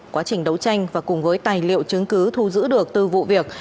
quá trình đấu tranh và cùng với tài liệu chứng cứ thu giữ được từ vụ việc